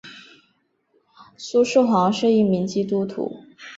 苏施黄是一名基督徒。